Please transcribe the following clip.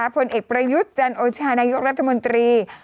ผลเอกประยุทธ์จันโอชานายกรัฐมนตรี